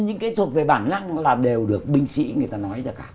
những cái thuộc về bản năng là đều được binh sĩ người ta nói ra cả